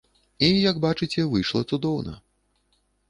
І як бачыце, выйшла цудоўна.